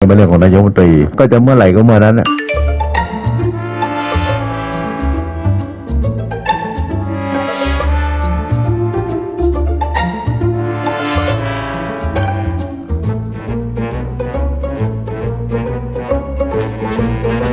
โปรดติดตามตอนต่อไป